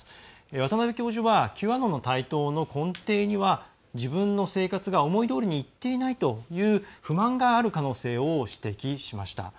渡辺教授はＱアノンの台頭の根底には自分の生活が思いどおりにいっていないという不満がある可能性を指摘しました。